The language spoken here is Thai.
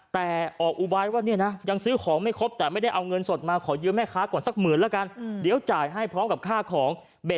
แต่ออกอุบายว่าเนี่ยนะยังซื้อของไม่ครบแต่ไม่ได้เอาเงินสดมาขอยืมแม่ค้าก่อนสักหมื่นแล้วกัน